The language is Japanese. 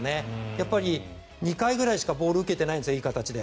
やっぱり２回ぐらいしかボールを受けてないんです、いい形で。